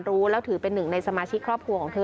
รู้แล้วถือเป็นหนึ่งในสมาชิกครอบครัวของเธอ